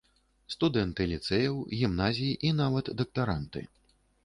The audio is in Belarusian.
Студэнты ліцэяў, гімназій, і нават дактаранты.